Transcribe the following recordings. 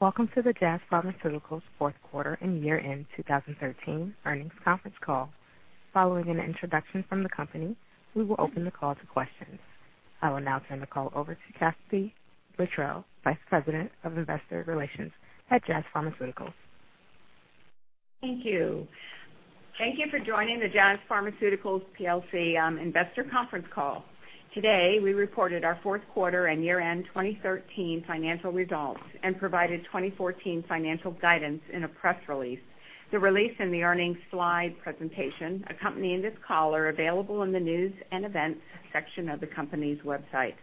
Welcome to the Jazz Pharmaceuticals fourth quarter and year-end 2013 earnings conference call. Following an introduction from the company, we will open the call to questions. I will now turn the call over to Kathee Littrell, Vice President of Investor Relations at Jazz Pharmaceuticals. Thank you. Thank you for joining the Jazz Pharmaceuticals plc investor conference call. Today, we reported our fourth quarter and year-end 2013 financial results and provided 2014 financial guidance in a press release. The release and the earnings slide presentation accompanying this call are available in the news and events section of the company's website.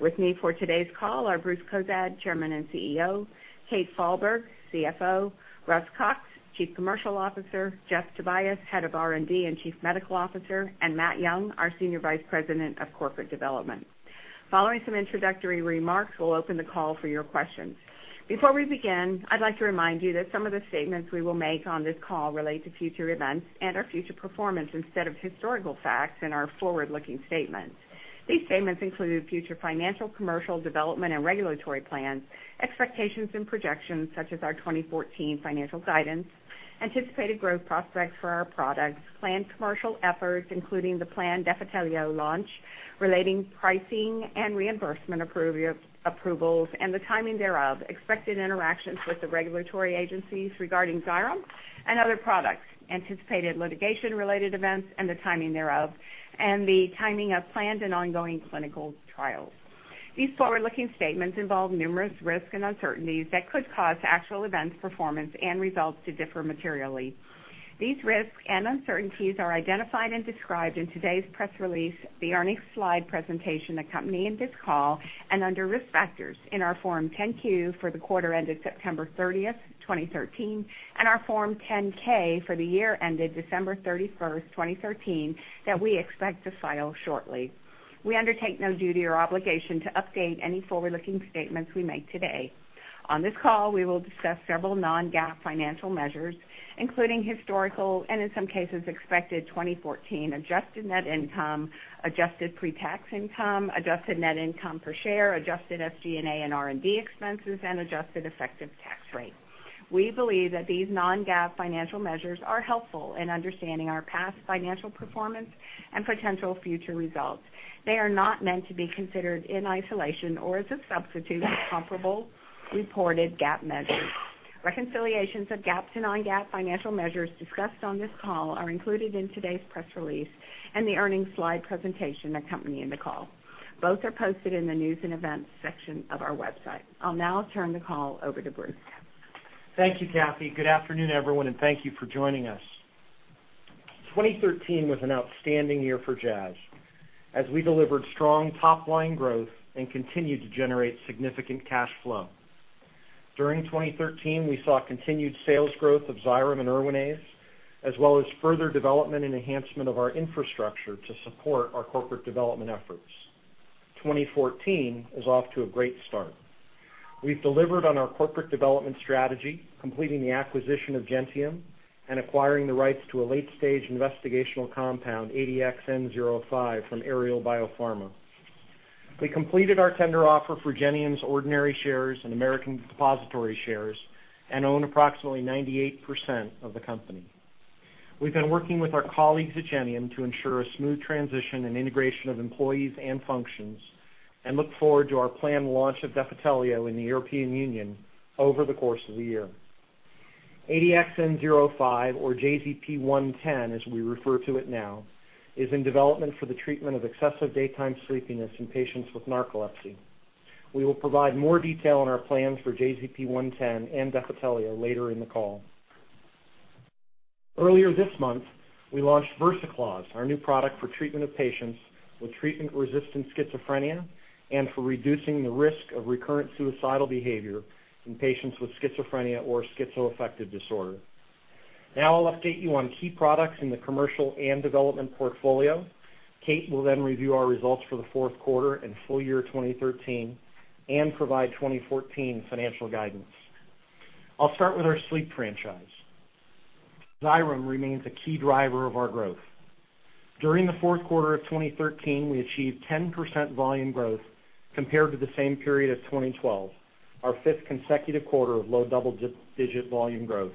With me for today's call are Bruce Cozadd, Chairman and CEO, Kathryn Falberg, CFO, Russell J. Cox, Chief Commercial Officer, Jeffrey K. Tobias, Head of R&D and Chief Medical Officer, and Matthew Young, our Senior Vice President of Corporate Development. Following some introductory remarks, we'll open the call for your questions. Before we begin, I'd like to remind you that some of the statements we will make on this call relate to future events and our future performance instead of historical facts and are forward-looking statements. These statements include future financial, commercial, development, and regulatory plans, expectations and projections such as our 2014 financial guidance, anticipated growth prospects for our products, planned commercial efforts, including the planned Defitelio launch, relating pricing and reimbursement approvals and the timing thereof, expected interactions with the regulatory agencies regarding Xyrem and other products, anticipated litigation-related events and the timing thereof, and the timing of planned and ongoing clinical trials. These forward-looking statements involve numerous risks and uncertainties that could cause actual events, performance, and results to differ materially. These risks and uncertainties are identified and described in today's press release, the earnings slide presentation accompanying this call, and under Risk Factors in our Form 10-Q for the quarter ended September 30, 2013, and our Form 10-K for the year ended December 31, 2013, that we expect to file shortly. We undertake no duty or obligation to update any forward-looking statements we make today. On this call, we will discuss several non-GAAP financial measures, including historical and, in some cases, expected 2014 adjusted net income, adjusted pre-tax income, adjusted net income per share, adjusted SG&A and R&D expenses, and adjusted effective tax rate. We believe that these non-GAAP financial measures are helpful in understanding our past financial performance and potential future results. They are not meant to be considered in isolation or as a substitute for comparable reported GAAP measures. Reconciliations of GAAP to non-GAAP financial measures discussed on this call are included in today's press release and the earnings slide presentation accompanying the call. Both are posted in the news and events section of our website. I'll now turn the call over to Bruce. Thank you, Kathy. Good afternoon, everyone, and thank you for joining us. 2013 was an outstanding year for Jazz as we delivered strong top-line growth and continued to generate significant cash flow. During 2013, we saw continued sales growth of Xyrem and Erwinaze, as well as further development and enhancement of our infrastructure to support our corporate development efforts. 2014 is off to a great start. We've delivered on our corporate development strategy, completing the acquisition of Gentium and acquiring the rights to a late-stage investigational compound, ADX-N05, from Aerial BioPharma. We completed our tender offer for Gentium's ordinary shares and American depository shares and own approximately 98% of the company. We've been working with our colleagues at Gentium to ensure a smooth transition and integration of employees and functions and look forward to our planned launch of Defitelio in the European Union over the course of the year. ADX-N05 or JZP-110, as we refer to it now, is in development for the treatment of excessive daytime sleepiness in patients with narcolepsy. We will provide more detail on our plans for JZP-110 and Defitelio later in the call. Earlier this month, we launched Versacloz, our new product for treatment of patients with treatment-resistant schizophrenia and for reducing the risk of recurrent suicidal behavior in patients with schizophrenia or schizoaffective disorder. Now I'll update you on key products in the commercial and development portfolio. Kate will then review our results for the fourth quarter and full year 2013 and provide 2014 financial guidance. I'll start with our sleep franchise. Xyrem remains a key driver of our growth. During the fourth quarter of 2013, we achieved 10% volume growth compared to the same period of 2012, our fifth consecutive quarter of low double-digit volume growth.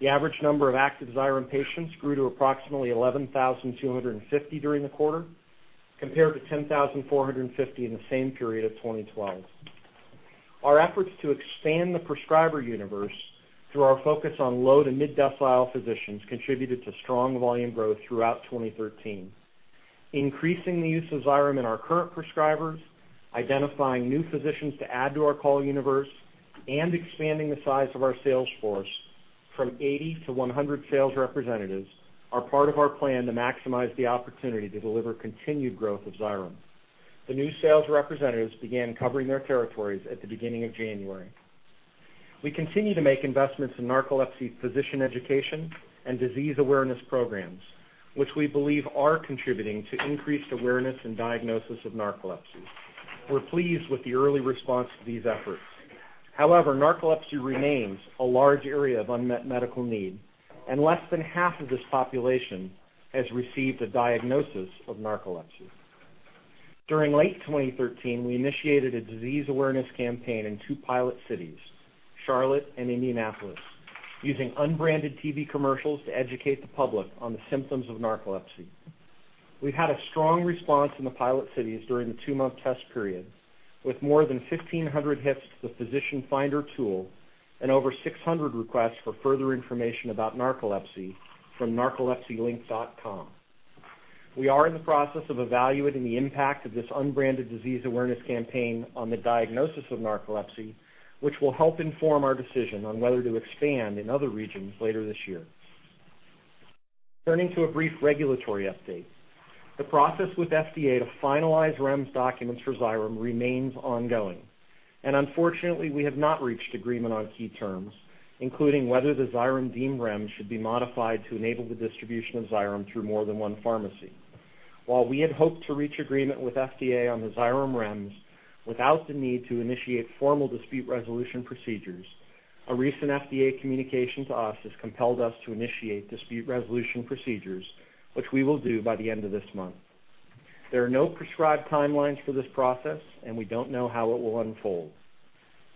The average number of active Xyrem patients grew to approximately 11,250 during the quarter, compared to 10,450 in the same period of 2012. Our efforts to expand the prescriber universe through our focus on low to mid-decile physicians contributed to strong volume growth throughout 2013. Increasing the use of Xyrem in our current prescribers, identifying new physicians to add to our call universe, and expanding the size of our sales force from 80 to 100 sales representatives are part of our plan to maximize the opportunity to deliver continued growth of Xyrem. The new sales representatives began covering their territories at the beginning of January. We continue to make investments in narcolepsy physician education and disease awareness programs, which we believe are contributing to increased awareness and diagnosis of narcolepsy. We're pleased with the early response to these efforts. However, narcolepsy remains a large area of unmet medical need, and less than half of this population has received a diagnosis of narcolepsy. During late 2013, we initiated a disease awareness campaign in two pilot cities, Charlotte and Indianapolis, using unbranded TV commercials to educate the public on the symptoms of narcolepsy. We've had a strong response in the pilot cities during the two-month test period, with more than 1,500 hits to the physician finder tool and over 600 requests for further information about narcolepsy from NarcolepsyLink.com. We are in the process of evaluating the impact of this unbranded disease awareness campaign on the diagnosis of narcolepsy, which will help inform our decision on whether to expand in other regions later this year. Turning to a brief regulatory update. The process with FDA to finalize REMS documents for Xyrem remains ongoing, and unfortunately, we have not reached agreement on key terms, including whether the Xyrem REMS should be modified to enable the distribution of Xyrem through more than one pharmacy. While we had hoped to reach agreement with FDA on the Xyrem REMS without the need to initiate formal dispute resolution procedures, a recent FDA communication to us has compelled us to initiate dispute resolution procedures, which we will do by the end of this month. There are no prescribed timelines for this process, and we don't know how it will unfold.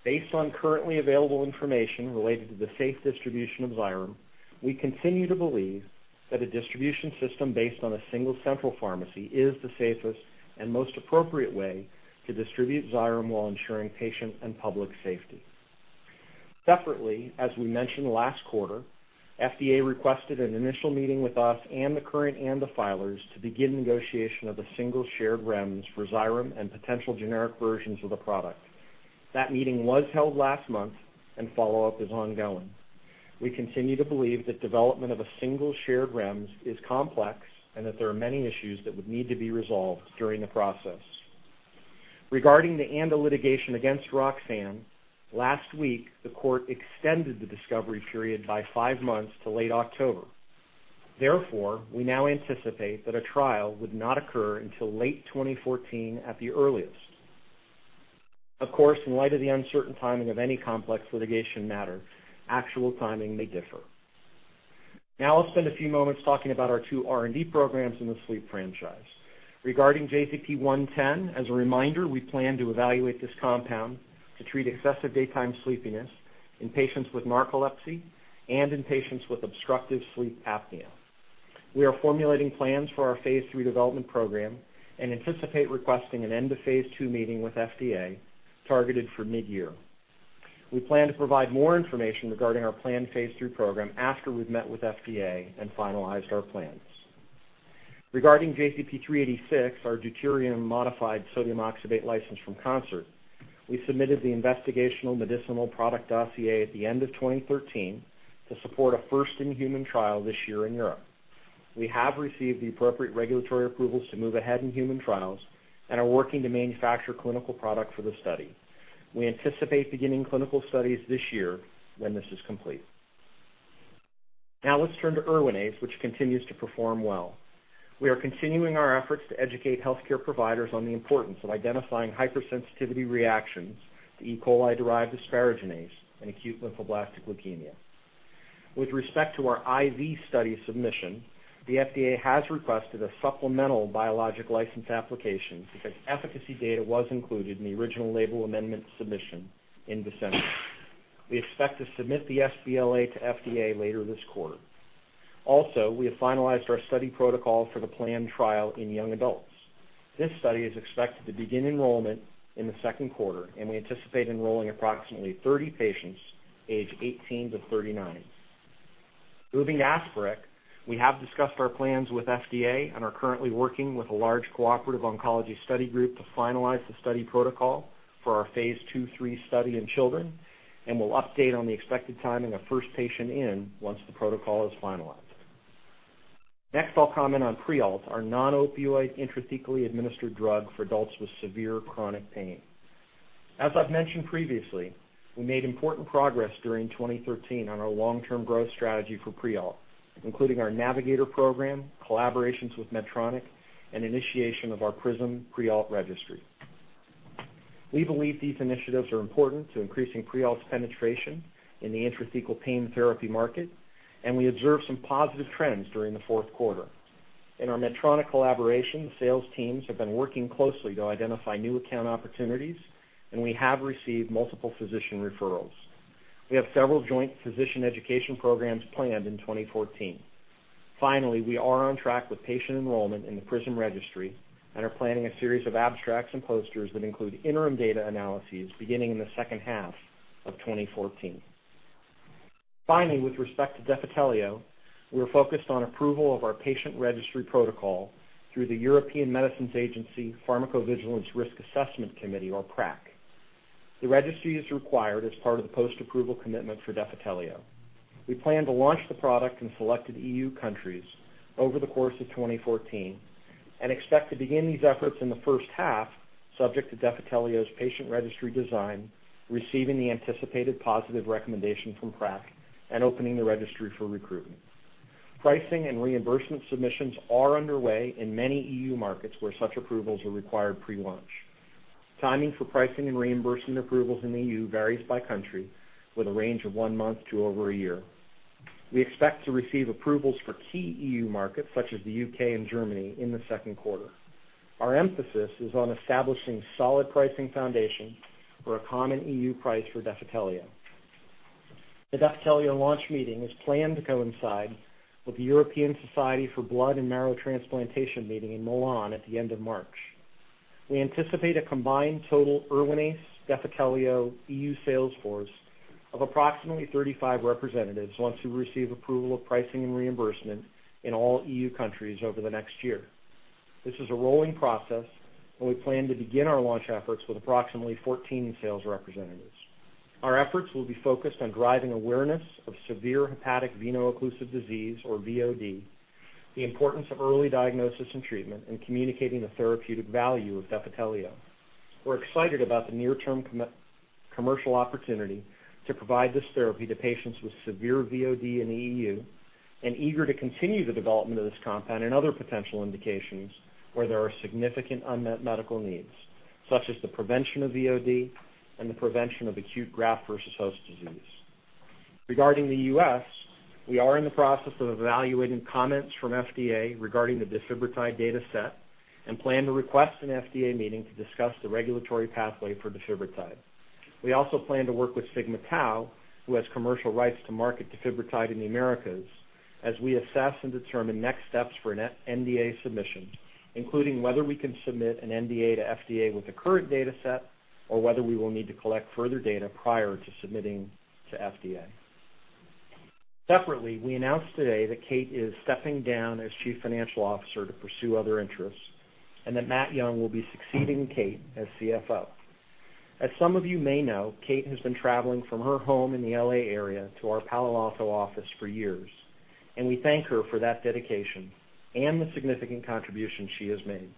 Based on currently available information related to the safe distribution of Xyrem, we continue to believe that a distribution system based on a single central pharmacy is the safest and most appropriate way to distribute Xyrem while ensuring patient and public safety. Separately, as we mentioned last quarter, FDA requested an initial meeting with us and the current ANDA filers to begin negotiation of a single shared REMS for Xyrem and potential generic versions of the product. That meeting was held last month and follow-up is ongoing. We continue to believe that development of a single shared REMS is complex and that there are many issues that would need to be resolved during the process. Regarding the ANDA litigation against Roxane, last week, the court extended the discovery period by five months to late October. Therefore, we now anticipate that a trial would not occur until late 2014 at the earliest. Of course, in light of the uncertain timing of any complex litigation matter, actual timing may differ. Now I'll spend a few moments talking about our two R&D programs in the sleep franchise. Regarding JZP-110, as a reminder, we plan to evaluate this compound to treat excessive daytime sleepiness in patients with narcolepsy and in patients with obstructive sleep apnea. We are formulating plans for our phase 3 development program and anticipate requesting an end-of-phase 2 meeting with FDA targeted for mid-year. We plan to provide more information regarding our planned phase 3 program after we've met with FDA and finalized our plans. Regarding JZP-386, our deuterium-modified sodium oxybate license from Concert, we submitted the Investigational Medicinal Product Dossier at the end of 2013 to support a first-in-human trial this year in Europe. We have received the appropriate regulatory approvals to move ahead in human trials and are working to manufacture clinical product for the study. We anticipate beginning clinical studies this year when this is complete. Now let's turn to Erwinaze, which continues to perform well. We are continuing our efforts to educate healthcare providers on the importance of identifying hypersensitivity reactions to E. coli-derived asparaginase in acute lymphoblastic leukemia. With respect to our IV study submission, the FDA has requested a supplemental biologic license application because efficacy data was included in the original label amendment submission in December. We expect to submit the sBLA to FDA later this quarter. Also, we have finalized our study protocol for the planned trial in young adults. This study is expected to begin enrollment in the second quarter, and we anticipate enrolling approximately 30 patients aged 18 to 39. Moving to Asprex, we have discussed our plans with FDA and are currently working with a large cooperative oncology study group to finalize the study protocol for our phase 2, 3 study in children, and we'll update on the expected timing of first patient in once the protocol is finalized. Next, I'll comment on Prialt, our non-opioid intrathecally administered drug for adults with severe chronic pain. As I've mentioned previously, we made important progress during 2013 on our long-term growth strategy for Prialt, including our Navigator program, collaborations with Medtronic, and initiation of our PRISM Prialt registry. We believe these initiatives are important to increasing Prialt's penetration in the intrathecal pain therapy market, and we observed some positive trends during the fourth quarter. In our Medtronic collaboration, sales teams have been working closely to identify new account opportunities, and we have received multiple physician referrals. We have several joint physician education programs planned in 2014. Finally, we are on track with patient enrollment in the PRISM registry and are planning a series of abstracts and posters that include interim data analyses beginning in the second half of 2014. Finally, with respect to Defitelio, we are focused on approval of our patient registry protocol through the European Medicines Agency Pharmacovigilance Risk Assessment Committee or PRAC. The registry is required as part of the post-approval commitment for Defitelio. We plan to launch the product in selected EU countries over the course of 2014 and expect to begin these efforts in the first half subject to Defitelio's patient registry design, receiving the anticipated positive recommendation from PRAC, and opening the registry for recruitment. Pricing and reimbursement submissions are underway in many EU markets where such approvals are required pre-launch. Timing for pricing and reimbursement approvals in EU varies by country with a range of one month to over a year. We expect to receive approvals for key EU markets such as the UK and Germany in the second quarter. Our emphasis is on establishing solid pricing foundation for a common EU price for Defitelio. The Defitelio launch meeting is planned to coincide with the European Society for Blood and Marrow Transplantation meeting in Milan at the end of March. We anticipate a combined total Erwinaze and Defitelio EU sales force of approximately 35 representatives once we receive approval of pricing and reimbursement in all EU countries over the next year. This is a rolling process, and we plan to begin our launch efforts with approximately 14 sales representatives. Our efforts will be focused on driving awareness of severe hepatic veno-occlusive disease, or VOD, the importance of early diagnosis and treatment, and communicating the therapeutic value of Defitelio. We're excited about the near-term commercial opportunity to provide this therapy to patients with severe VOD in the EU and eager to continue the development of this compound and other potential indications where there are significant unmet medical needs, such as the prevention of VOD and the prevention of acute graft-versus-host disease. Regarding the US, we are in the process of evaluating comments from FDA regarding the defibrotide data set and plan to request an FDA meeting to discuss the regulatory pathway for defibrotide. We also plan to work with Sigma-Tau, who has commercial rights to market defibrotide in the Americas, as we assess and determine next steps for an NDA submission, including whether we can submit an NDA to FDA with the current data set or whether we will need to collect further data prior to submitting to FDA. Separately, we announced today that Kate is stepping down as Chief Financial Officer to pursue other interests and that Matt Young will be succeeding Kate as CFO. Some of you may know, Kate has been traveling from her home in the L.A. area to our Palo Alto office for years, and we thank her for that dedication and the significant contribution she has made.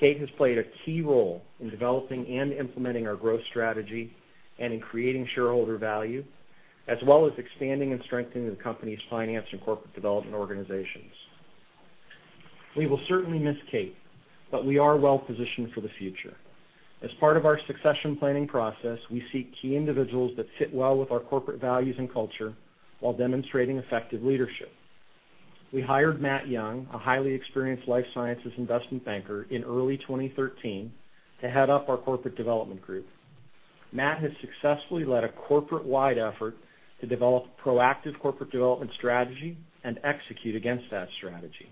Kate has played a key role in developing and implementing our growth strategy and in creating shareholder value, as well as expanding and strengthening the company's finance and corporate development organizations. We will certainly miss Kate, but we are well-positioned for the future. As part of our succession planning process, we seek key individuals that fit well with our corporate values and culture while demonstrating effective leadership. We hired Matt Young, a highly experienced life sciences investment banker, in early 2013 to head up our corporate development group. Matt has successfully led a corporate-wide effort to develop proactive corporate development strategy and execute against that strategy.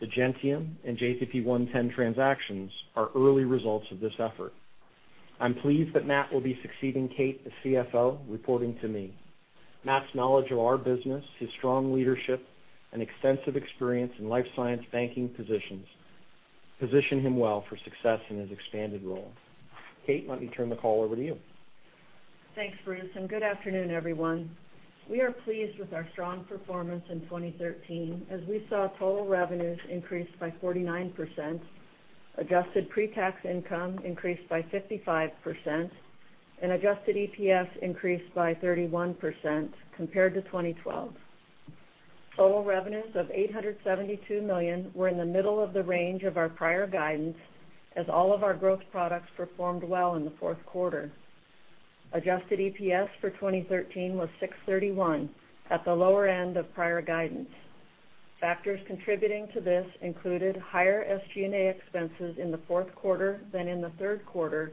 The Gentium and JZP-110 transactions are early results of this effort. I'm pleased that Matt will be succeeding Kate Falberg as CFO, reporting to me. Matt's knowledge of our business, his strong leadership, and extensive experience in life science banking positions him well for success in his expanded role. Kate, let me turn the call over to you. Thanks, Bruce, and good afternoon, everyone. We are pleased with our strong performance in 2013 as we saw total revenues increase by 49%, adjusted pre-tax income increase by 55%, and adjusted EPS increase by 31% compared to 2012. Total revenues of $872 million were in the middle of the range of our prior guidance as all of our growth products performed well in the fourth quarter. Adjusted EPS for 2013 was $6.31 at the lower end of prior guidance. Factors contributing to this included higher SG&A expenses in the fourth quarter than in the third quarter,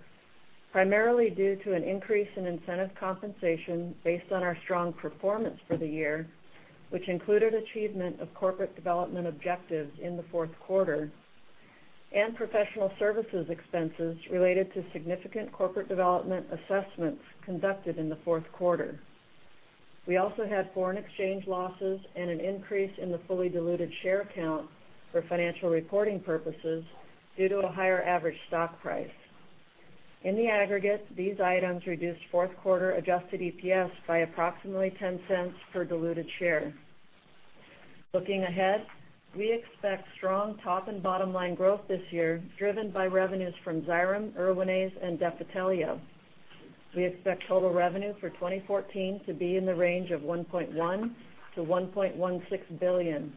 primarily due to an increase in incentive compensation based on our strong performance for the year, which included achievement of corporate development objectives in the fourth quarter and professional services expenses related to significant corporate development assessments conducted in the fourth quarter. We also had foreign exchange losses and an increase in the fully diluted share count for financial reporting purposes due to a higher average stock price. In the aggregate, these items reduced fourth quarter adjusted EPS by approximately $0.10 per diluted share. Looking ahead, we expect strong top and bottom-line growth this year driven by revenues from Xyrem, Erwinaze, and Defitelio. We expect total revenue for 2014 to be in the range of $1.1-$1.16 billion,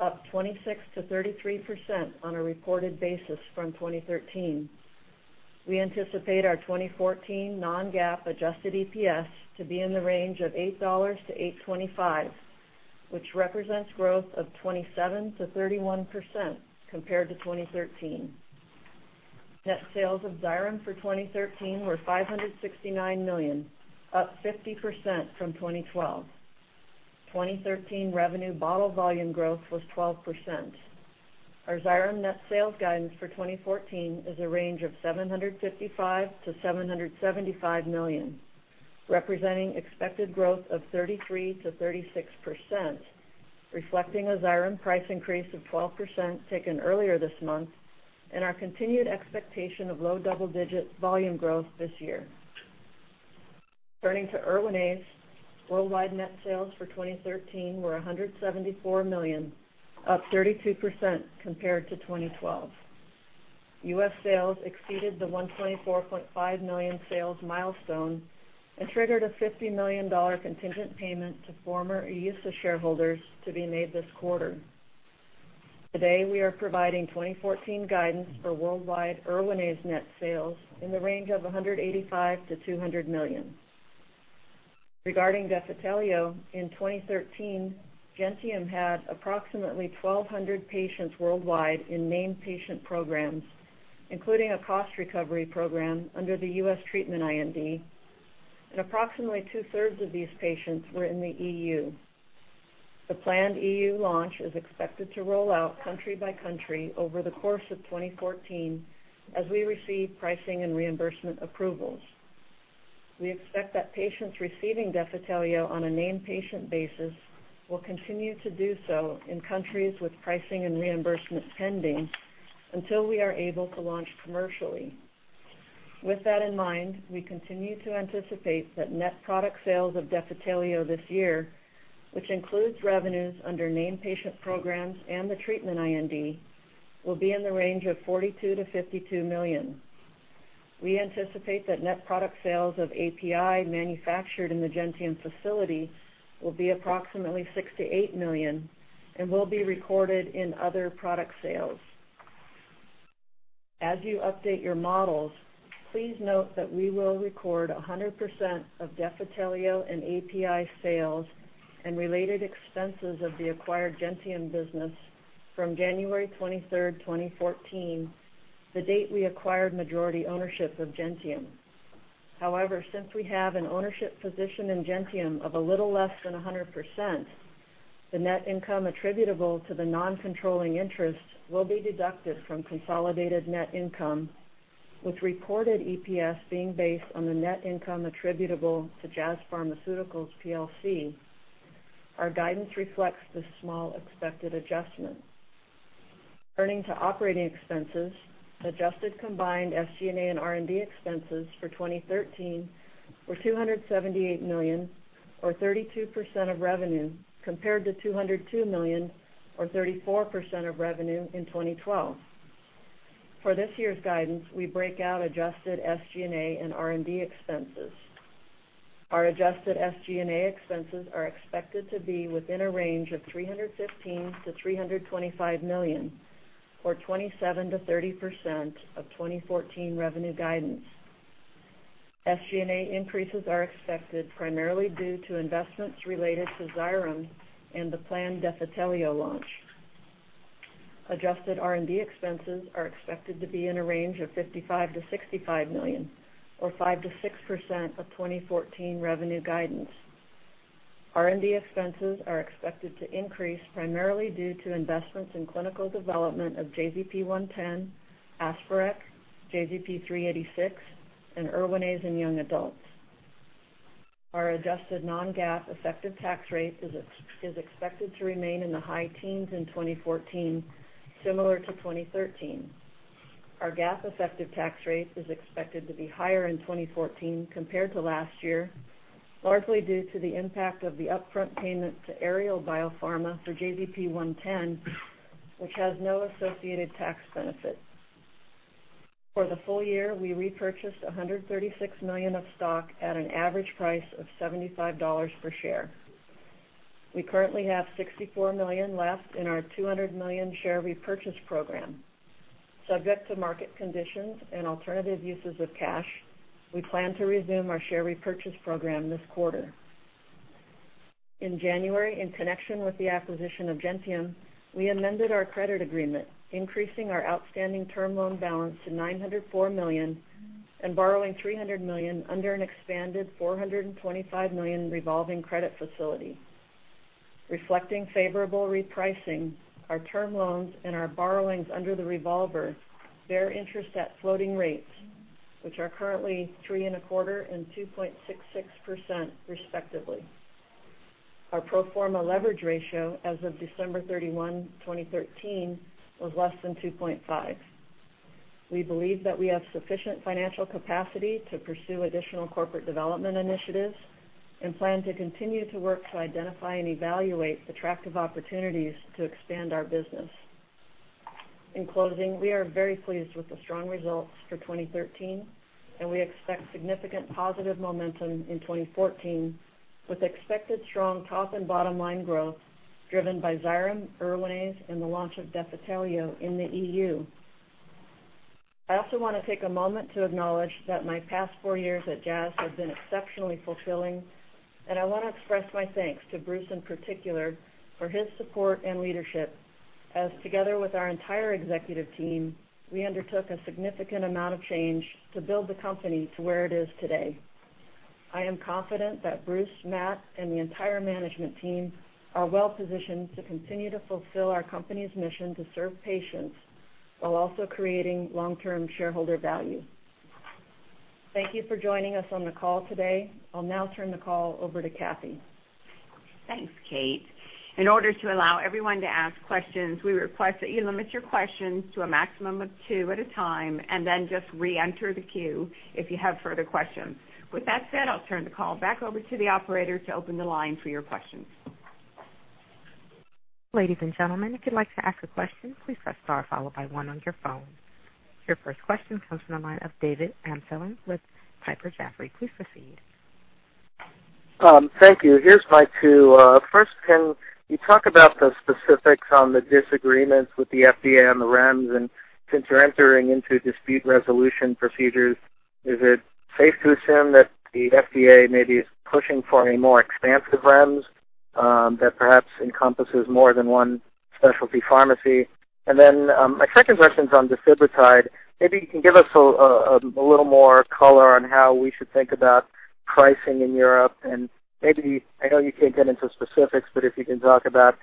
up 26%-33% on a reported basis from 2013. We anticipate our 2014 non-GAAP adjusted EPS to be in the range of $8-$8.25, which represents growth of 27%-31% compared to 2013. Net sales of Xyrem for 2013 were $569 million, up 50% from 2012. 2013 revenue bottled volume growth was 12%. Our Xyrem net sales guidance for 2014 is a range of $755 million-$775 million, representing expected growth of 33%-36%, reflecting a Xyrem price increase of 12% taken earlier this month and our continued expectation of low double-digit volume growth this year. Turning to Erwinaze, worldwide net sales for 2013 were $174 million, up 32% compared to 2012. U.S. sales exceeded the $124.5 million sales milestone and triggered a $50 million contingent payment to former EUSA shareholders to be made this quarter. Today, we are providing 2014 guidance for worldwide Erwinaze net sales in the range of $185 million-$200 million. Regarding Defitelio, in 2013, Gentium had approximately 1,200 patients worldwide in named patient programs, including a cost recovery program under the U.S. treatment IND, and approximately two-thirds of these patients were in the EU. The planned EU launch is expected to roll out country by country over the course of 2014 as we receive pricing and reimbursement approvals. We expect that patients receiving Defitelio on a named patient basis will continue to do so in countries with pricing and reimbursement pending until we are able to launch commercially. With that in mind, we continue to anticipate that net product sales of Defitelio this year, which includes revenues under named patient programs and the treatment IND, will be in the range of $42-$52 million. We anticipate that net product sales of API manufactured in the Gentium facility will be approximately $6 million-$8 million and will be recorded in other product sales. As you update your models, please note that we will record 100% of Defitelio and API sales and related expenses of the acquired Gentium business from January 23, 2014, the date we acquired majority ownership of Gentium. However, since we have an ownership position in Gentium of a little less than 100%, the net income attributable to the non-controlling interest will be deducted from consolidated net income, with reported EPS being based on the net income attributable to Jazz Pharmaceuticals plc. Our guidance reflects this small expected adjustment. Turning to operating expenses, adjusted combined SG&A and R&D expenses for 2013 were $278 million or 32% of revenue compared to $202 million or 34% of revenue in 2012. For this year's guidance, we break out adjusted SG&A and R&D expenses. Our adjusted SG&A expenses are expected to be within a range of $315 million-$325 million, or 27%-30% of 2014 revenue guidance. SG&A increases are expected primarily due to investments related to Xyrem and the planned Defitelio launch. Adjusted R&D expenses are expected to be in a range of $55 million-$65 million or 5%-6% of 2014 revenue guidance. R&D expenses are expected to increase primarily due to investments in clinical development of JZP-110, Asprex, JZP-386, and Erwinaze in young adults. Our adjusted non-GAAP effective tax rate is expected to remain in the high teens in 2014, similar to 2013. Our GAAP effective tax rate is expected to be higher in 2014 compared to last year, largely due to the impact of the upfront payment to Aerial BioPharma for JZP-110, which has no associated tax benefit. For the full year, we repurchased $136 million of stock at an average price of $75 per share. We currently have $64 million left in our $200 million share repurchase program. Subject to market conditions and alternative uses of cash, we plan to resume our share repurchase program this quarter. In January, in connection with the acquisition of Gentium, we amended our credit agreement, increasing our outstanding term loan balance to $904 million and borrowing $300 million under an expanded $425 million revolving credit facility. Reflecting favorable repricing, our term loans and our borrowings under the revolver bear interest at floating rates, which are currently 3.25% and 2.66% respectively. Our pro forma leverage ratio as of December 31, 2013 was less than 2.5. We believe that we have sufficient financial capacity to pursue additional corporate development initiatives and plan to continue to work to identify and evaluate attractive opportunities to expand our business. In closing, we are very pleased with the strong results for 2013, and we expect significant positive momentum in 2014 with expected strong top and bottom line growth driven by Xyrem, Erwinaze, and the launch of Defitelio in the EU. I also wanna take a moment to acknowledge that my past four years at Jazz have been exceptionally fulfilling, and I wanna express my thanks to Bruce in particular for his support and leadership as together with our entire executive team, we undertook a significant amount of change to build the company to where it is today. I am confident that Bruce, Matt, and the entire management team are well-positioned to continue to fulfill our company's mission to serve patients while also creating long-term shareholder value. Thank you for joining us on the call today. I'll now turn the call over to Kathee. Thanks, Kate. In order to allow everyone to ask questions, we request that you limit your questions to a maximum of two at a time, and then just reenter the queue if you have further questions. With that said, I'll turn the call back over to the operator to open the line for your questions. Ladies and gentlemen, if you'd like to ask a question, please press star followed by one on your phone. Your first question comes from the line of David Amsellem with Piper Jaffray. Please proceed. Thank you. Here's my two. First, can you talk about the specifics on the disagreements with the FDA on the REMS? Since you're entering into dispute resolution procedures, is it safe to assume that the FDA maybe is pushing for a more expansive REMS, that perhaps encompasses more than one specialty pharmacy? My second question is on defibrotide. Maybe you can give us a little more color on how we should think about pricing in Europe and maybe I know you can't get into specifics, but if you can talk about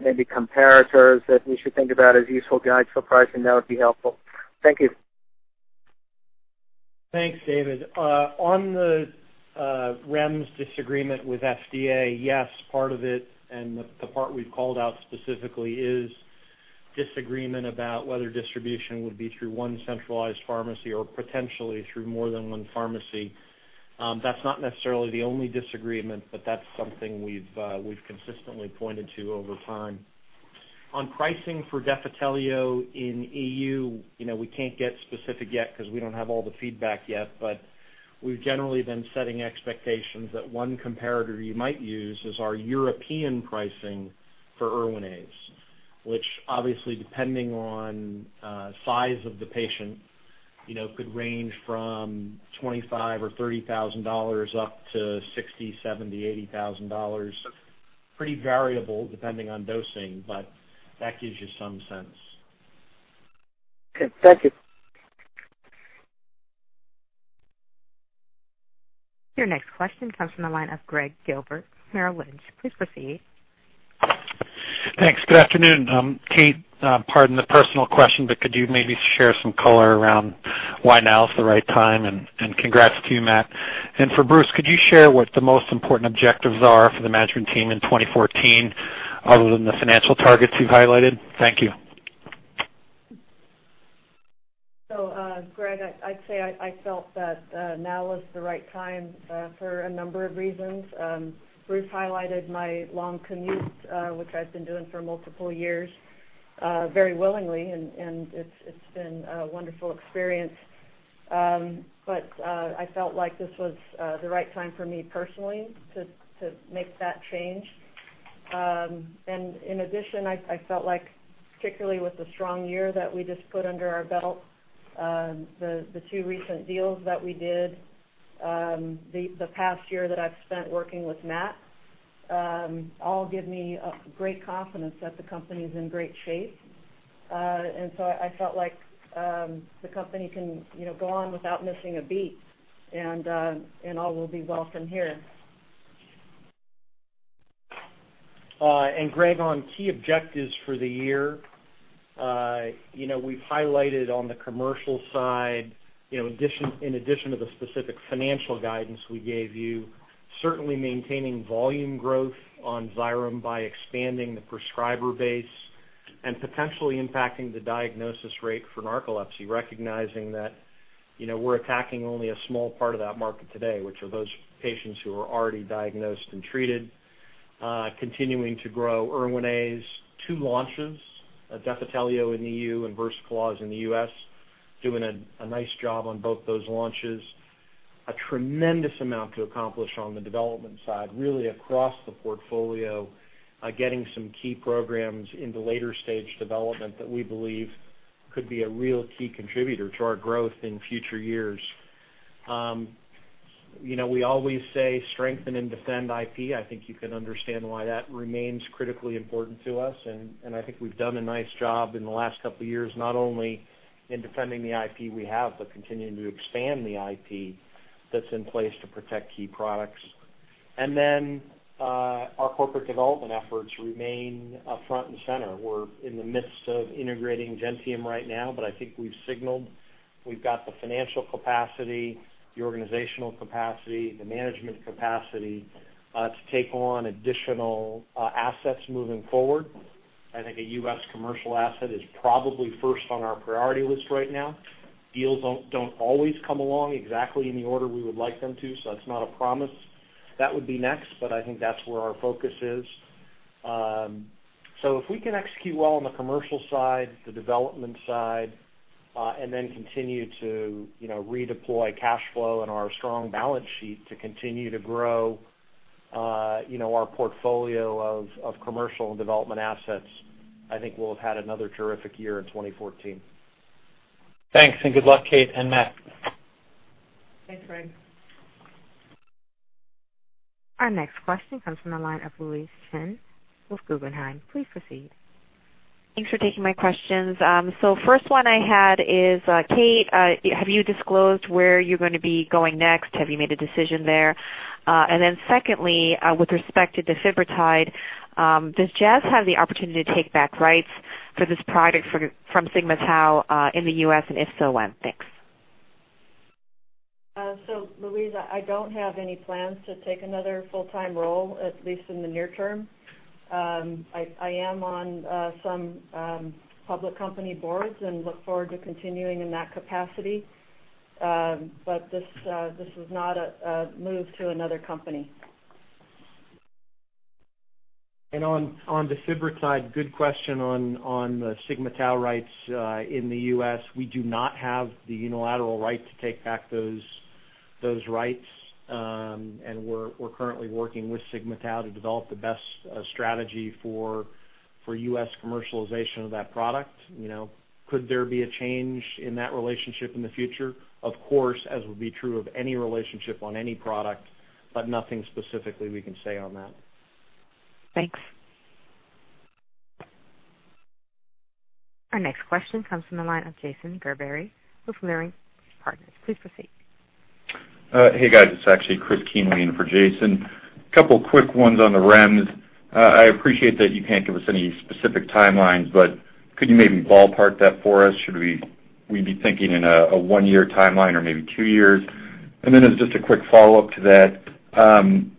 maybe comparators that we should think about as useful guides for pricing, that would be helpful. Thank you. Thanks, David. On the REMS disagreement with FDA, yes, part of it, and the part we've called out specifically is disagreement about whether distribution would be through one centralized pharmacy or potentially through more than one pharmacy. That's not necessarily the only disagreement, but that's something we've consistently pointed to over time. On pricing for Defitelio in EU, you know, we can't get specific yet 'cause we don't have all the feedback yet, but we've generally been setting expectations that one comparator you might use is our European pricing for Erwinaze, which obviously, depending on size of the patient, you know, could range from $25,000 or $30,000 up to $60,000, $70,000, $80,000. Pretty variable depending on dosing, but that gives you some sense. Okay. Thank you. Your next question comes from the line of Gregg Gilbert, Merrill Lynch. Please proceed. Thanks. Good afternoon. Kate, pardon the personal question, but could you maybe share some color around why now is the right time and congrats to you, Matt. For Bruce, could you share what the most important objectives are for the management team in 2014 other than the financial targets you've highlighted? Thank you. Greg, I'd say I felt that now is the right time for a number of reasons. Bruce highlighted my long commute, which I've been doing for multiple years, very willingly and it's been a wonderful experience. I felt like this was the right time for me personally to make that change. In addition, I felt like particularly with the strong year that we just put under our belt, the two recent deals that we did, the past year that I've spent working with Matt, all give me a great confidence that the company's in great shape. I felt like the company can, you know, go on without missing a beat and all will be well from here. Greg, on key objectives for the year, you know, we've highlighted on the commercial side, you know, in addition to the specific financial guidance we gave you, certainly maintaining volume growth on Xyrem by expanding the prescriber base and potentially impacting the diagnosis rate for narcolepsy, recognizing that, you know, we're attacking only a small part of that market today, which are those patients who are already diagnosed and treated. Continuing to grow Erwinaze. Two launches, Defitelio in EU and Versacloz in the US, doing a nice job on both those launches. A tremendous amount to accomplish on the development side, really across the portfolio, getting some key programs into later stage development that we believe could be a real key contributor to our growth in future years. You know, we always say strengthen and defend IP. I think you can understand why that remains critically important to us, and I think we've done a nice job in the last couple of years, not only in defending the IP we have, but continuing to expand the IP that's in place to protect key products. Our corporate development efforts remain up front and center. We're in the midst of integrating Gentium right now, but I think we've signaled we've got the financial capacity, the organizational capacity, the management capacity, to take on additional assets moving forward. I think a U.S. commercial asset is probably first on our priority list right now. Deals don't always come along exactly in the order we would like them to, so that's not a promise. That would be next, but I think that's where our focus is. If we can execute well on the commercial side, the development side, and then continue to, you know, redeploy cash flow and our strong balance sheet to continue to grow, you know, our portfolio of commercial and development assets, I think we'll have had another terrific year in 2014. Thanks, and good luck, Kate and Matt. Thanks, Gregg. Our next question comes from the line of Louise Chen with Guggenheim. Please proceed. Thanks for taking my questions. First one I had is, Kate, have you disclosed where you're gonna be going next? Have you made a decision there? Secondly, with respect to defibrotide, does Jazz have the opportunity to take back rights for this product from Sigma-Tau in the U.S., and if so, when? Thanks. Louise, I don't have any plans to take another full-time role, at least in the near term. I am on some public company boards and look forward to continuing in that capacity. This is not a move to another company. On the defibrotide side, good question on the Sigma-Tau rights in the US. We do not have the unilateral right to take back those rights, and we're currently working with Sigma-Tau to develop the best strategy for US commercialization of that product. You know, could there be a change in that relationship in the future? Of course, as would be true of any relationship on any product, but nothing specifically we can say on that. Thanks. Our next question comes from the line of Jason Gerberry with Leerink Partners. Please proceed. Hey, guys. It's actually Chris Keane in for Jason. Couple quick ones on the REMS. I appreciate that you can't give us any specific timelines, but could you maybe ballpark that for us? Should we be thinking in a one-year timeline or maybe two years? Just a quick follow-up to that,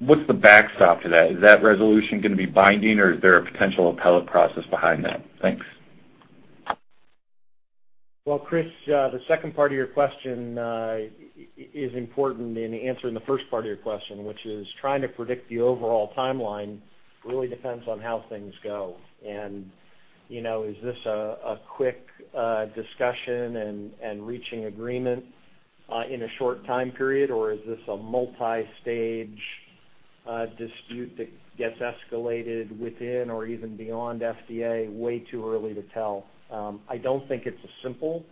what's the backstop to that? Is that resolution gonna be binding or is there a potential appellate process behind that? Thanks. Well, Chris, the second part of your question is important in answering the first part of your question, which is trying to predict the overall timeline really depends on how things go. You know, is this a quick discussion and reaching agreement in a short time period, or is this a multi-stage dispute that gets escalated within or even beyond FDA? Way too early to tell. I don't think it's a simple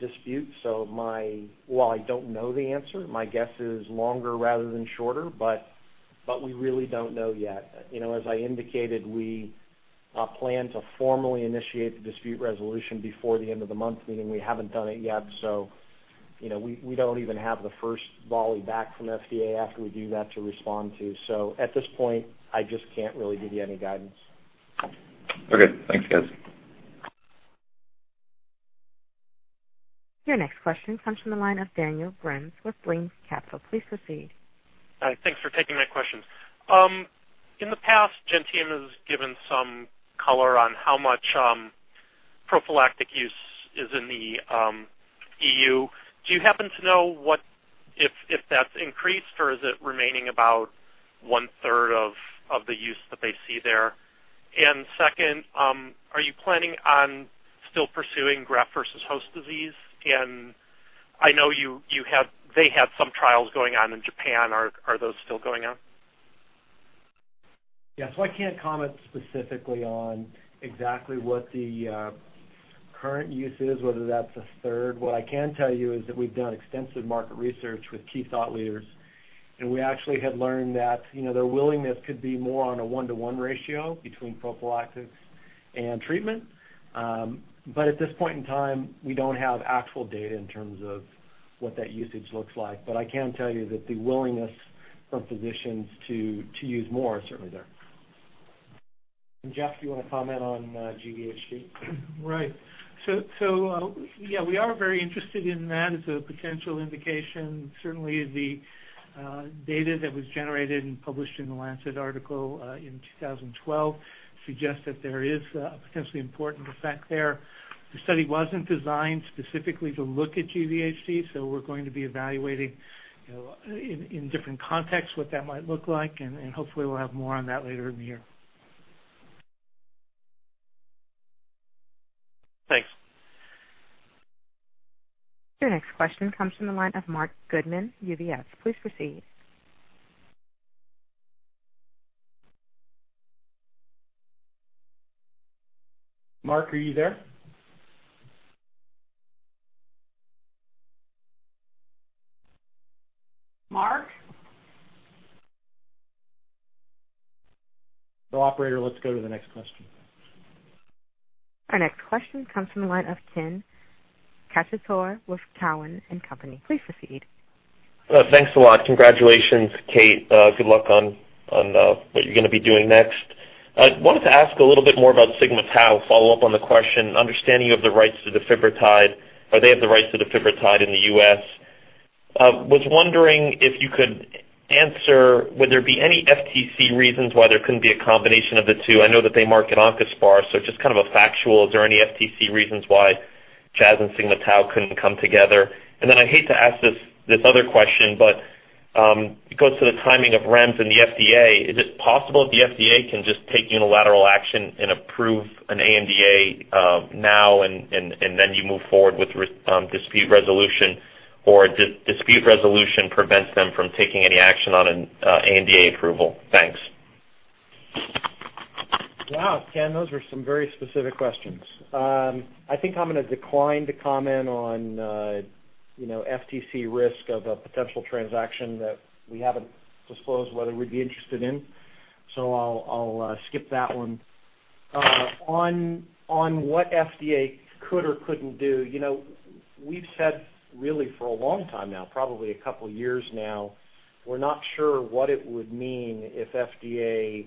dispute, so while I don't know the answer, my guess is longer rather than shorter, but we really don't know yet. You know, as I indicated, we plan to formally initiate the dispute resolution before the end of the month, meaning we haven't done it yet. you know, we don't even have the first volley back from FDA after we do that to respond to. At this point, I just can't really give you any guidance. Okay. Thanks, guys. Your next question comes from the line of Daniel Brin with Brean Capital. Please proceed. Thanks for taking my questions. In the past, Gentium has given some color on how much prophylactic use is in the EU. Do you happen to know what if that's increased, or is it remaining about one-third of the use that they see there? Second, are you planning on still pursuing graft-versus-host disease? I know they had some trials going on in Japan. Are those still going on? Yeah. I can't comment specifically on exactly what the current use is, whether that's a third. What I can tell you is that we've done extensive market research with key thought leaders, and we actually had learned that, you know, their willingness could be more on a one-to-one ratio between prophylactics and treatment. At this point in time, we don't have actual data in terms of what that usage looks like. I can tell you that the willingness from physicians to use more is certainly there. Jeff, do you wanna comment on GVHD? We are very interested in that as a potential indication. Certainly, the data that was generated and published in The Lancet article in 2012 suggests that there is a potentially important effect there. The study wasn't designed specifically to look at GVHD, so we're going to be evaluating, you know, in different contexts what that might look like, and hopefully we'll have more on that later in the year. Thanks. Your next question comes from the line of Mark Goodman, UBS. Please proceed. Mark, are you there? Mark? Operator, let's go to the next question. Our next question comes from the line of Ken Cacciatore with Cowen and Company. Please proceed. Thanks a lot. Congratulations, Kate. Good luck on what you're gonna be doing next. Wanted to ask a little bit more about Sigma-Tau, follow up on the question, understanding of the rights to defibrotide. Are they have the rights to defibrotide in the US? Was wondering if you could answer would there be any FTC reasons why there couldn't be a combination of the two? I know that they market Oncaspar, so just kind of a factual, is there any FTC reasons why Jazz and Sigma-Tau couldn't come together? I hate to ask this other question, but it goes to the timing of REMS and the FDA. Is it possible if the FDA can just take unilateral action and approve an ANDA, now and then you move forward with dispute resolution, or does dispute resolution prevents them from taking any action on an ANDA approval? Thanks. Wow, Ken, those were some very specific questions. I think I'm gonna decline to comment on, you know, FTC risk of a potential transaction that we haven't disclosed whether we'd be interested in. I'll skip that one. On what FDA could or couldn't do, you know, we've said really for a long time now, probably a couple years now, we're not sure what it would mean if FDA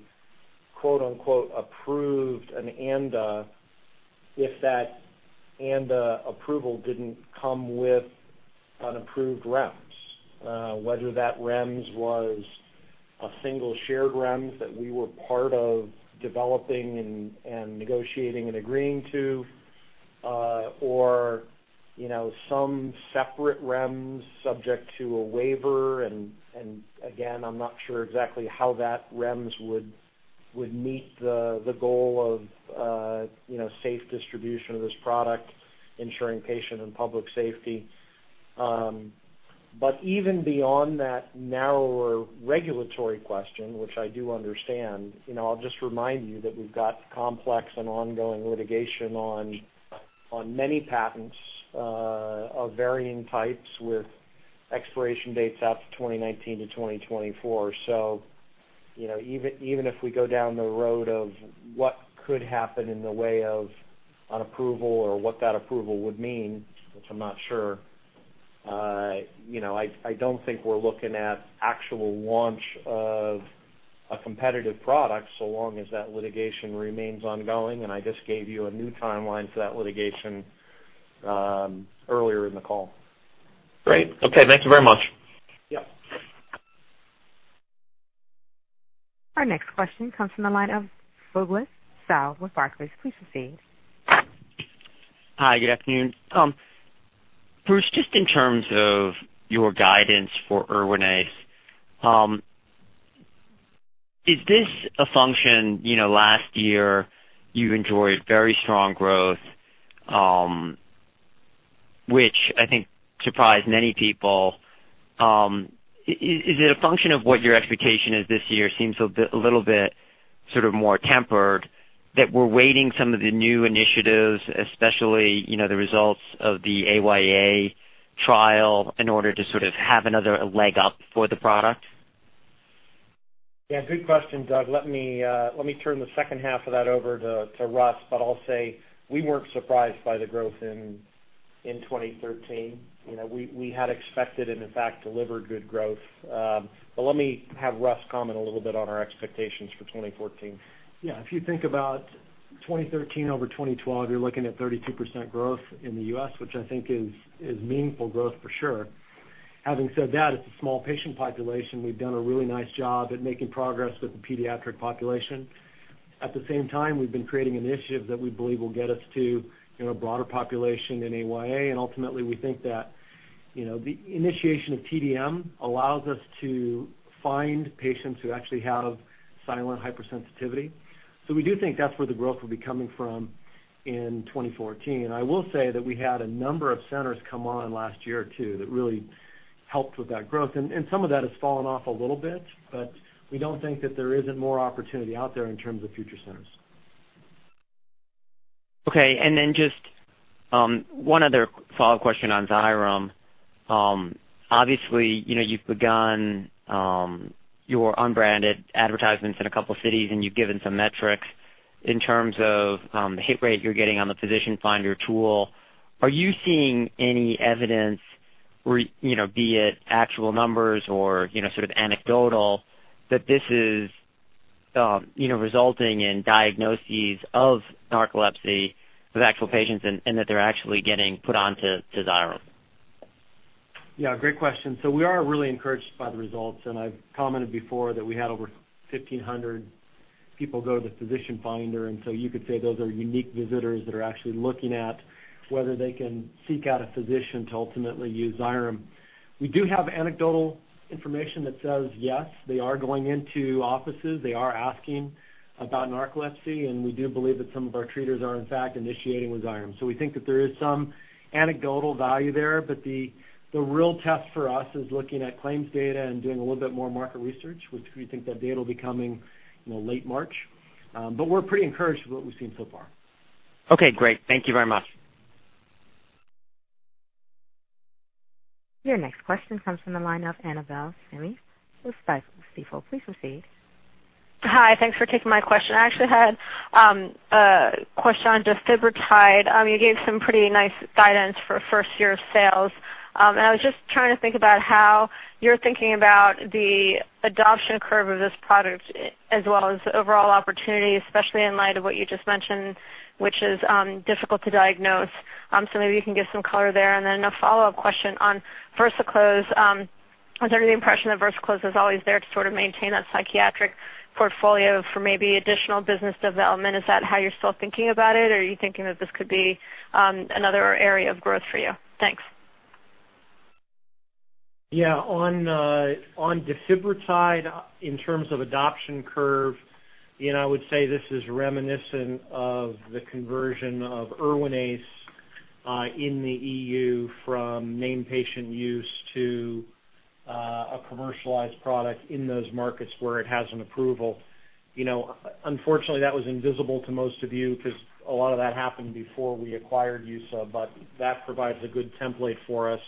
quote unquote approved an ANDA if that ANDA approval didn't come with an approved REMS. Whether that REMS was a single shared REMS that we were part of developing and negotiating and agreeing to, or, you know, some separate REMS subject to a waiver. I'm not sure exactly how that REMS would meet the goal of, you know, safe distribution of this product, ensuring patient and public safety. Even beyond that narrower regulatory question, which I do understand, you know, I'll just remind you that we've got complex and ongoing litigation on many patents of varying types with expiration dates out to 2019-2024. You know, even if we go down the road of what could happen in the way of an approval or what that approval would mean, which I'm not sure, you know, I don't think we're looking at actual launch of a competitive product, so long as that litigation remains ongoing, and I just gave you a new timeline for that litigation earlier in the call. Great. Okay, thank you very much. Yeah. Our next question comes from the line of Douglas Tsao with Barclays. Please proceed. Hi, good afternoon. Bruce, just in terms of your guidance for Erwinaze, is this a function, you know, last year you enjoyed very strong growth, which I think surprised many people. Is it a function of what your expectation is this year seems a bit, a little bit sort of more tempered that we're waiting some of the new initiatives, especially, you know, the results of the AYA trial in order to sort of have another leg up for the product? Yeah, good question, Doug. Let me turn the second half of that over to Russ, but I'll say we weren't surprised by the growth in 2013. You know, we had expected and in fact delivered good growth. Let me have Russ comment a little bit on our expectations for 2014. Yeah. If you think about 2013 over 2012, you're looking at 32% growth in the U.S., which I think is meaningful growth for sure. Having said that, it's a small patient population. We've done a really nice job at making progress with the pediatric population. At the same time, we've been creating an initiative that we believe will get us to, you know, a broader population in AYA. Ultimately, we think that, you know, the initiation of TDM allows us to find patients who actually have silent hypersensitivity. So we do think that's where the growth will be coming from in 2014. I will say that we had a number of centers come on last year too that really helped with that growth. Some of that has fallen off a little bit, but we don't think that there isn't more opportunity out there in terms of future centers. Okay. Just one other follow-up question on Xyrem. Obviously, you know, you've begun your unbranded advertisements in a couple cities, and you've given some metrics in terms of the hit rate you're getting on the physician finder tool. Are you seeing any evidence, you know, be it actual numbers or, you know, sort of anecdotal that this is, you know, resulting in diagnoses of narcolepsy with actual patients and that they're actually getting put onto Xyrem? Yeah, great question. We are really encouraged by the results, and I've commented before that we had over 1,500 people go to the physician finder, and so you could say those are unique visitors that are actually looking at whether they can seek out a physician to ultimately use Xyrem. We do have anecdotal information that says, yes, they are going into offices. They are asking about narcolepsy, and we do believe that some of our treaters are in fact initiating with Xyrem. We think that there is some anecdotal value there. The real test for us is looking at claims data and doing a little bit more market research, which we think that data will be coming, you know, late March. We're pretty encouraged with what we've seen so far. Okay, great. Thank you very much. Your next question comes from the line of Annabel Samimy with Stifel. Please proceed. Hi. Thanks for taking my question. I actually had a question on defibrotide. You gave some pretty nice guidance for first year of sales. I was just trying to think about how you're thinking about the adoption curve of this product as well as overall opportunity, especially in light of what you just mentioned, which is difficult to diagnose. Maybe you can give some color there. A follow-up question on Versacloz. I was under the impression that Versacloz was always there to sort of maintain that psychiatric portfolio for maybe additional business development. Is that how you're still thinking about it, or are you thinking that this could be another area of growth for you? Thanks. Yeah. On defibrotide, in terms of adoption curve, you know, I would say this is reminiscent of the conversion of Erwinaze in the EU from named patient use to a commercialized product in those markets where it has an approval. You know, unfortunately, that was invisible to most of you because a lot of that happened before we acquired EUSA, but that provides a good template for us.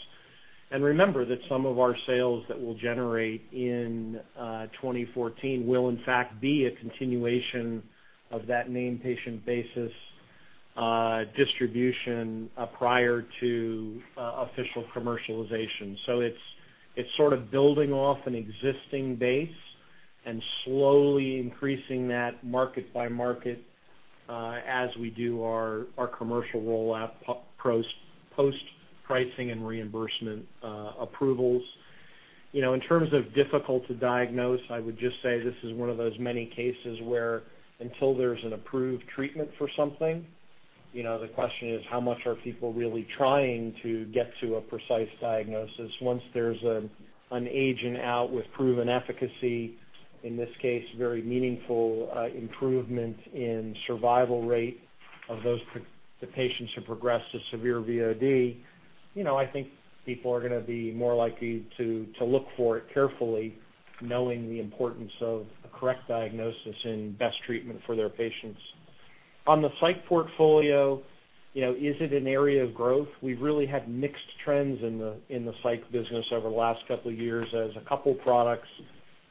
Remember that some of our sales that we'll generate in 2014 will in fact be a continuation of that named patient basis distribution prior to official commercialization. It's sort of building off an existing base and slowly increasing that market by market, as we do our commercial rollout post pricing and reimbursement approvals. You know, in terms of difficult to diagnose, I would just say this is one of those many cases where until there's an approved treatment for something, you know, the question is, how much are people really trying to get to a precise diagnosis? Once there's an agent out with proven efficacy, in this case, very meaningful improvement in survival rate of those the patients who progress to severe VOD, you know, I think people are gonna be more likely to look for it carefully, knowing the importance of a correct diagnosis and best treatment for their patients. On the psych portfolio, you know, is it an area of growth? We've really had mixed trends in the psych business over the last couple of years, as a couple products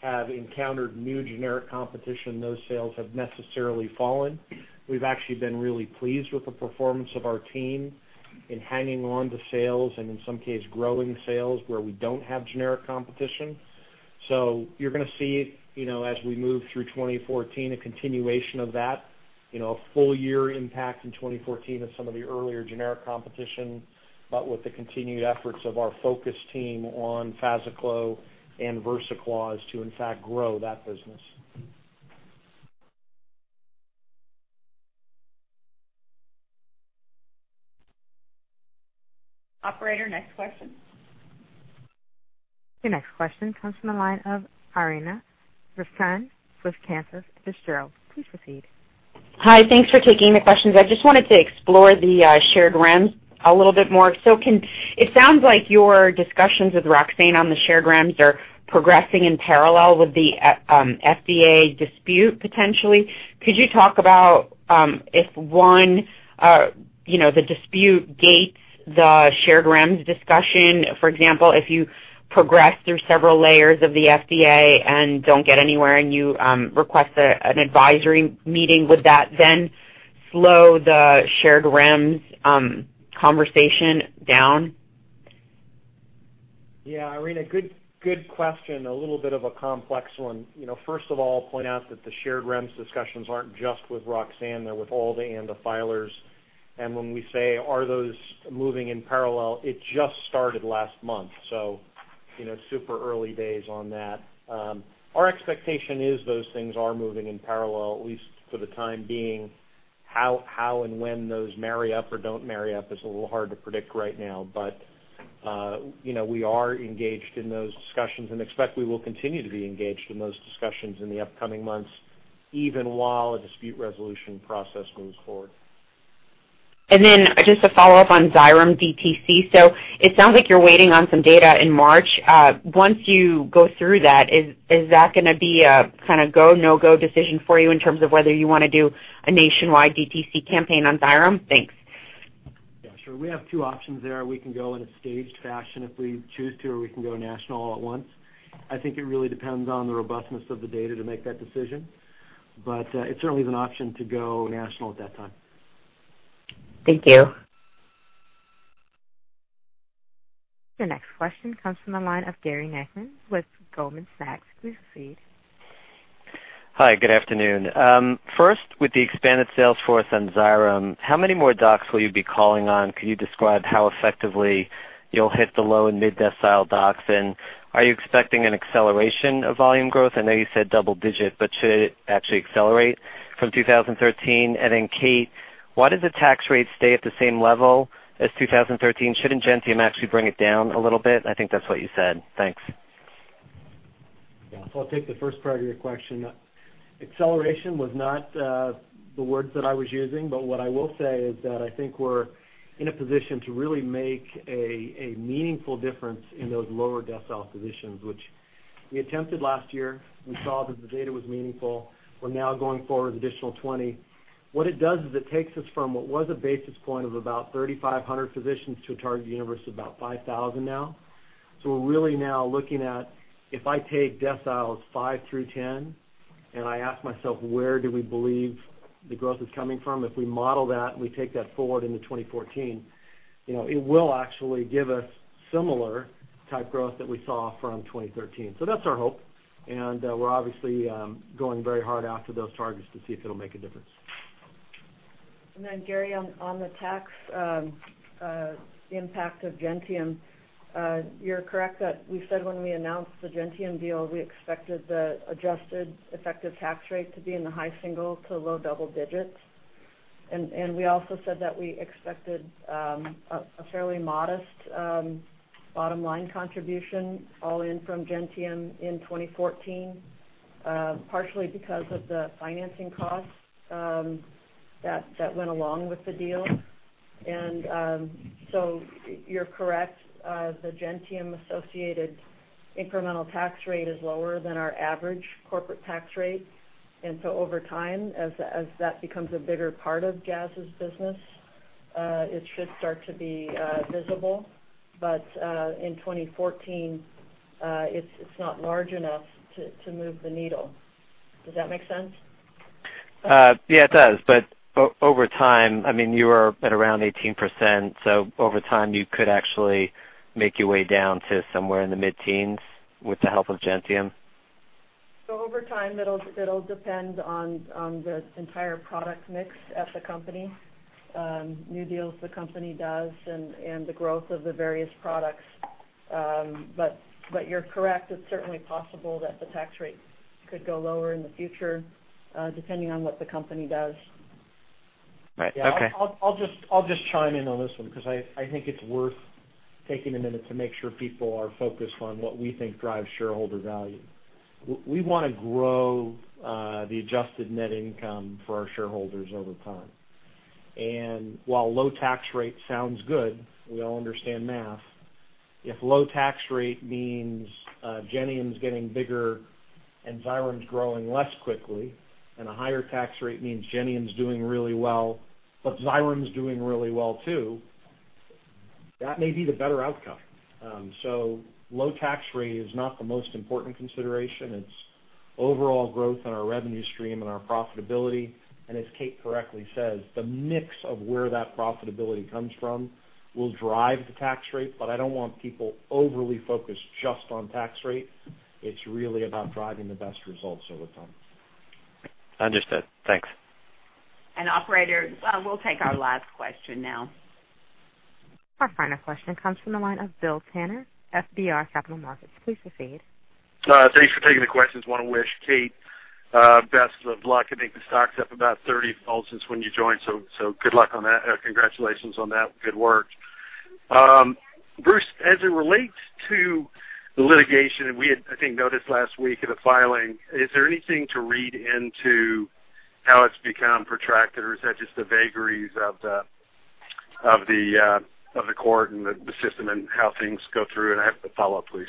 have encountered new generic competition, those sales have necessarily fallen. We've actually been really pleased with the performance of our team in hanging on to sales and in some cases, growing sales where we don't have generic competition. You're gonna see, you know, as we move through 2014, a continuation of that. You know, a full year impact in 2014 of some of the earlier generic competition, but with the continued efforts of our focus team on FazaClo and Versacloz to, in fact, grow that business. Operator, next question. Your next question comes from the line of Irina Koffler with Canaccord Genuity. Please proceed. Hi. Thanks for taking the questions. I just wanted to explore the shared REMS a little bit more. It sounds like your discussions with Roxane on the shared REMS are progressing in parallel with the FDA dispute potentially. Could you talk about if one, you know, the dispute gates the shared REMS discussion, for example, if you progress through several layers of the FDA and don't get anywhere and you request an advisory meeting, would that then slow the shared REMS conversation down? Yeah. Irina, good question. A little bit of a complex one. You know, first of all, point out that the shared REMS discussions aren't just with Roxane, they're with all the ANDA filers. When we say, are those moving in parallel, it just started last month, so, you know, super early days on that. Our expectation is those things are moving in parallel, at least for the time being. How and when those marry up or don't marry up is a little hard to predict right now. You know, we are engaged in those discussions and expect we will continue to be engaged in those discussions in the upcoming months, even while a dispute resolution process moves forward. Just to follow up on Xyrem DTC. It sounds like you're waiting on some data in March. Once you go through that, is that gonna be a kinda go, no-go decision for you in terms of whether you wanna do a nationwide DTC campaign on Xyrem? Thanks. Yeah, sure. We have two options there. We can go in a staged fashion if we choose to, or we can go national at once. I think it really depends on the robustness of the data to make that decision, but, it certainly is an option to go national at that time. Thank you. The next question comes from the line of Gary Nachman with Goldman Sachs. Please proceed. Hi, good afternoon. First, with the expanded sales force on Xyrem, how many more docs will you be calling on? Could you describe how effectively you'll hit the low and mid-decile docs? Are you expecting an acceleration of volume growth? I know you said double digit, but should it actually accelerate from 2013? Kate, why does the tax rate stay at the same level as 2013? Shouldn't Gentium actually bring it down a little bit? I think that's what you said. Thanks. Yeah. I'll take the first part of your question. Acceleration was not the words that I was using, but what I will say is that I think we're in a position to really make a meaningful difference in those lower decile positions, which we attempted last year. We saw that the data was meaningful. We're now going forward with additional 20. What it does is it takes us from what was a base of about 3,500 physicians to a target universe of about 5,000 now. We're really now looking at, if I take deciles 5 through 10, and I ask myself, where do we believe the growth is coming from? If we model that and we take that forward into 2014, you know, it will actually give us similar type growth that we saw from 2013. That's our hope, and we're obviously going very hard after those targets to see if it'll make a difference. Gary, on the tax impact of Gentium, you're correct that we said when we announced the Gentium deal, we expected the adjusted effective tax rate to be in the high single- to low double digits. We also said that we expected a fairly modest bottom-line contribution all in from Gentium in 2014, partially because of the financing costs that went along with the deal. So you're correct. The Gentium-associated incremental tax rate is lower than our average corporate tax rate. Over time, as that becomes a bigger part of Jazz's business, it should start to be visible. In 2014, it's not large enough to move the needle. Does that make sense? Yeah, it does. Over time, I mean, you are at around 18%, so over time, you could actually make your way down to somewhere in the mid-teens with the help of Gentium? Over time, it'll depend on the entire product mix at the company, new deals the company does and the growth of the various products. You're correct. It's certainly possible that the tax rate could go lower in the future, depending on what the company does. Right. Okay. I'll just chime in on this one because I think it's worth taking a minute to make sure people are focused on what we think drives shareholder value. We wanna grow the adjusted net income for our shareholders over time. While low tax rate sounds good, we all understand math. If low tax rate means Gentium's getting bigger and Xyrem's growing less quickly, and a higher tax rate means Gentium's doing really well, but Xyrem's doing really well too, that may be the better outcome. Low tax rate is not the most important consideration. It's overall growth in our revenue stream and our profitability. As Kate correctly says, the mix of where that profitability comes from will drive the tax rate. I don't want people overly focused just on tax rate. It's really about driving the best results over time. Understood. Thanks. Operator, we'll take our last question now. Our final question comes from the line of Bill Tanner, FBR Capital Markets. Please proceed. Thanks for taking the questions. Want to wish Kate best of luck. I think the stock's up about 30-fold since when you joined, so good luck on that. Congratulations on that. Good work. Bruce, as it relates to the litigation, we had, I think, noticed last week in a filing. Is there anything to read into how it's become protracted, or is that just the vagaries of the court and the system and how things go through? I have a follow-up, please.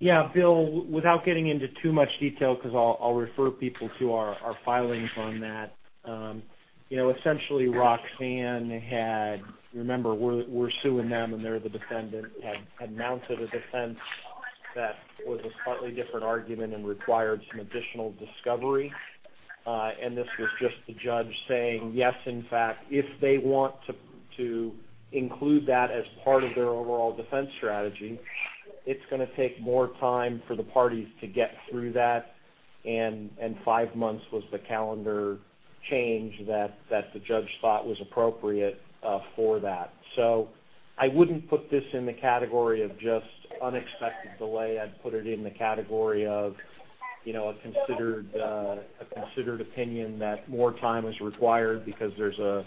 Yeah. Bill, without getting into too much detail, 'cause I'll refer people to our filings on that. You know, essentially, Roxane had. Remember, we're suing them, and they're the defendant, had mounted a defense that was a slightly different argument and required some additional discovery. This was just the judge saying, yes, in fact, if they want to include that as part of their overall defense strategy, it's gonna take more time for the parties to get through that. Five months was the calendar change that the judge thought was appropriate for that. I wouldn't put this in the category of just unexpected delay. I'd put it in the category of, you know, a considered opinion that more time is required because there's a,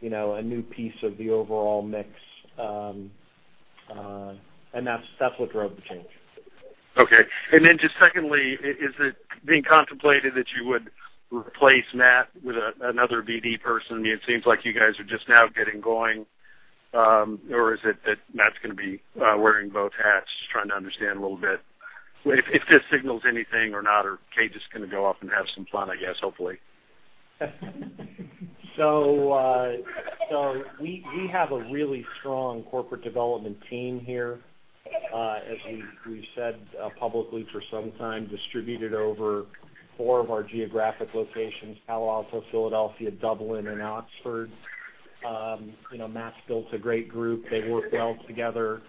you know, a new piece of the overall mix. That's what drove the change. Okay. Just secondly, is it being contemplated that you would replace Matt with another BD person? It seems like you guys are just now getting going. Or is it that Matt's gonna be wearing both hats? Just trying to understand a little bit. If this signals anything or not, or Kate just gonna go off and have some fun, I guess, hopefully. We have a really strong corporate development team here, as we've said publicly for some time, distributed over four of our geographic locations, Palo Alto, Philadelphia, Dublin and Oxford. You know, Matt's built a great group. They work well together.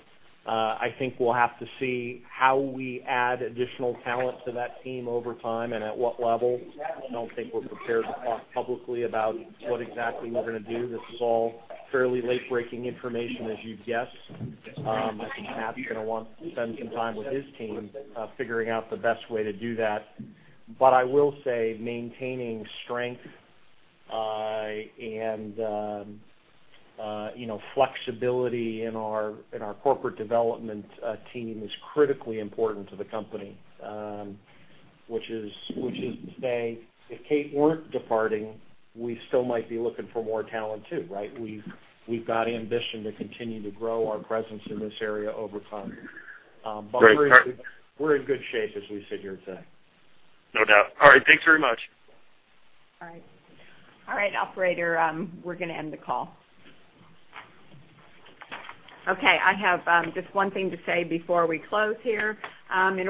I think we'll have to see how we add additional talent to that team over time and at what level. I don't think we're prepared to talk publicly about what exactly we're gonna do. This is all fairly late-breaking information, as you'd guess. I think Matt's gonna want to spend some time with his team, figuring out the best way to do that. I will say maintaining strength and you know flexibility in our corporate development team is critically important to the company, which is to say, if Kate weren't departing, we still might be looking for more talent too, right? We've got ambition to continue to grow our presence in this area over time. Great. We're in good shape as we sit here today. No doubt. All right. Thanks very much. All right, operator, we're gonna end the call. Okay, I have just one thing to say before we close here. Thank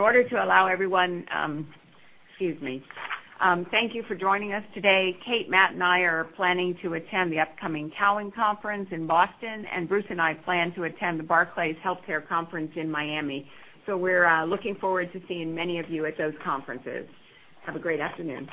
you for joining us today. Kate, Matt and I are planning to attend the upcoming Cowen Conference in Boston, and Bruce and I plan to attend the Barclays Healthcare Conference in Miami. We're looking forward to seeing many of you at those conferences. Have a great afternoon.